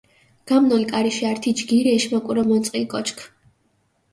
გამნოლ კარიშე ართი ჯგირი ეშმაკურო მონწყილ კოჩქ.